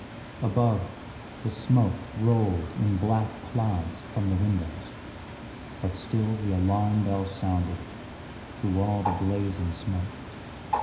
Above, the smoke rolled in black clouds from the windows, but still the alarm bell sounded through all the blaze and smoke.